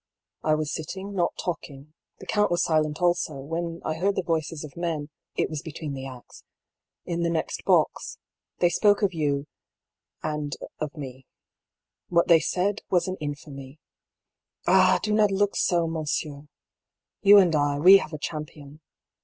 I was sitting, not talking, the count was silent also, when I heard the voices of men (it was between the acts) in the next box. They spoke of you — ^and of me. What they said, was an in famy. Ah ! do not look so, monsieur. You and I, we have a champion.